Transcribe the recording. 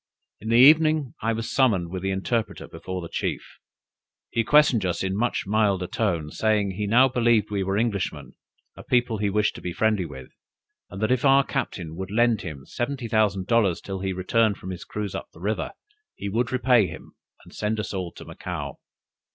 In the evening I was summoned with the interpreter before the chief. He questioned us in a much milder tone, saying, he now believed we were Englishmen, a people he wished to be friendly with; and that if our captain would lend him seventy thousand dollars till he returned from his cruise up the river, he would repay him, and send us all to Macao.